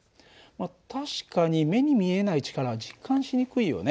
確かに目に見えない力は実感しにくいよね。